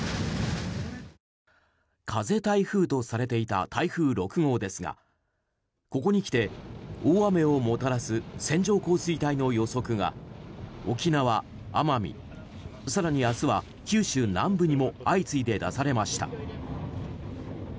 風台風とされていた台風６号ですがここにきて大雨をもたらす線状降水帯の予測が沖縄、奄美更に明日は九州南部にも相次いで出されました。